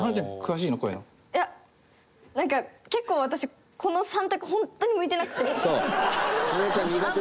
いやなんか結構私この３択本当に向いてなくて。